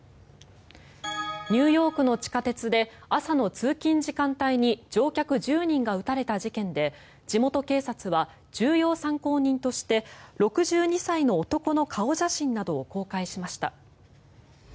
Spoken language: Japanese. ニューヨークの地下鉄で朝の通勤時間帯に乗客１０人が撃たれた事件で地元警察は重要参考人として６２歳の男の顔写真などを公開しました。